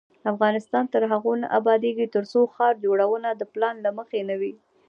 افغانستان تر هغو نه ابادیږي، ترڅو ښار جوړونه د پلان له مخې نه وي.